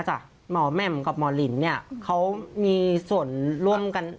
หมอแหม่มกับหมอลินเนี่ยเขามีส่วนร่วมกัน